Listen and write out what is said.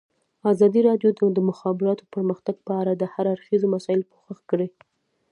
ازادي راډیو د د مخابراتو پرمختګ په اړه د هر اړخیزو مسایلو پوښښ کړی.